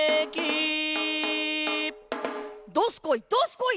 どすこい！